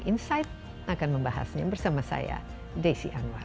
insight akan membahasnya bersama saya desi anwar